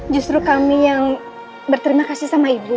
justru kami yang berterima kasih sama ibu